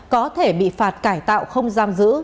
có thể bị phạt cải tạo không giam giữ